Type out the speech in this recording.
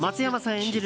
演じる